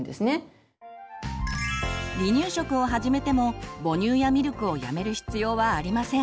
離乳食を始めても母乳やミルクをやめる必要はありません。